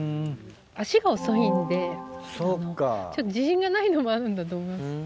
足が遅いんで自信がないのもあるんだと思います。